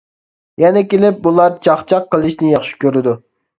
يەنە كېلىپ بۇلار چاقچاق قىلىشنى ياخشى كۆرىدۇ.